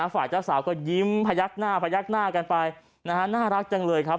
ฝ่ายเจ้าสาวก็ยิ้มพยักหน้าพยักหน้ากันไปนะฮะน่ารักจังเลยครับ